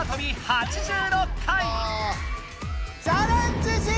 ８６回！